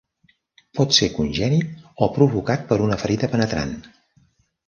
Pot ser congènit o provocat per una ferida penetrant.